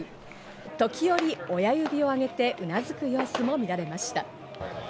時折、親指を上げて、うなずく様子も見られました。